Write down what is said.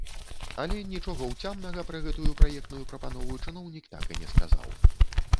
Але нічога ўцямнага пра гэтую праектную прапанову чыноўнік так і не сказаў.